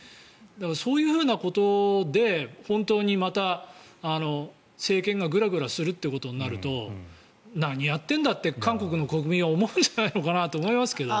そういうふうなことで本当にまた政権がぐらぐらするということになると何やってんだって韓国の国民は思うんじゃないかなと思いますけど。